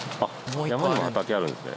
山にも畑あるんですね。